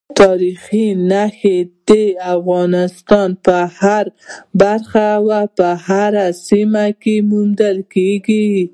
تاریخي نښې د افغانستان په هره برخه او هره سیمه کې موندل کېږي.